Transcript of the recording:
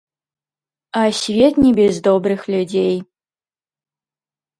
А свет не без добрых людзей.